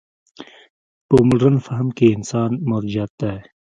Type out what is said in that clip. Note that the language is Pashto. په مډرن فهم کې انسان مرجعیت دی.